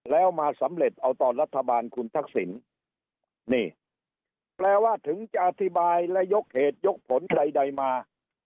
แล้วมาสำเร็จเอาตอนรัฐบาลคุณทักษิณนี่แปลว่าถึงจะอธิบายและยกเหตุยกผลใครใดมา